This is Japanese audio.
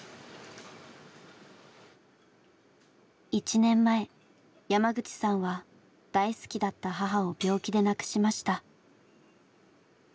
１年前山口さんは大好きだった母を病気で亡くしました。